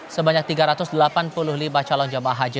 sebanyak tiga ratus delapan puluh lima calon jemaah haji